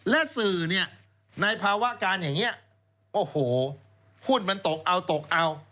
และสื่อในภาวะการอย่างนี้โอ้โหหุ้นมันตกเอา